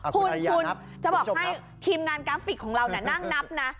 คุณจะบอกให้ทีมงานกราฟิกของเรานั่งนับนะ